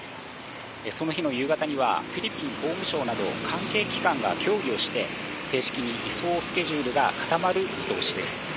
その日の夕方には、フィリピン法務省など関係機関が協議をして、正式に移送スケジュールが固まる見通しです。